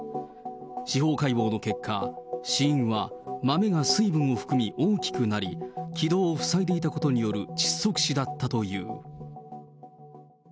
司法解剖の結果、死因は豆が水分を含み、大きくなり、気道を塞いでいたことによる窒息死だったという。